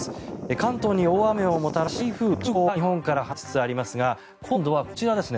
関東に大雨をもたらした台風１０号は日本から離れつつありますが今度はこちらですね